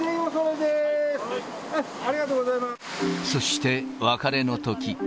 そして別れの時。